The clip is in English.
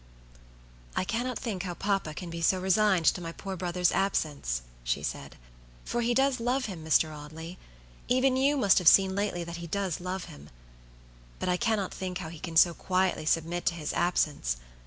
"I cannot think how papa can be so resigned to my poor brother's absence," she said, "for he does love him, Mr. Audley; even you must have seen lately that he does love him. But I cannot think how he can so quietly submit to his absence.